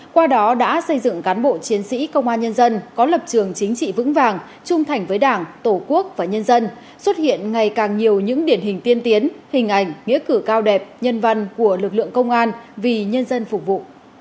qua đó đã xây dựng cán bộ chiến sĩ công an nhân dân có lập trường chính trị vững vàng trung thành với đảng tổ quốc và nhân dân xuất hiện ngày càng nhiều những điển hình tiên tiến hình ảnh nghĩa cử cao đẹp nhân văn của lực lượng công an vì nhân dân phục vụ